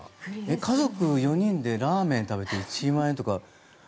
家族４人でラーメン食べて１万円とか。